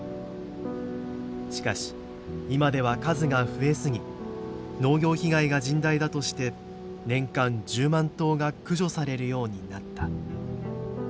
しかし今では数が増え過ぎ農業被害が甚大だとして年間１０万頭が駆除されるようになった。